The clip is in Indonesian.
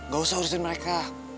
gak usah urusin mereka